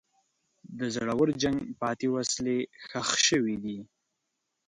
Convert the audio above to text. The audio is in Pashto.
د زوړ جنګ پاتې وسلې ښخ شوي دي.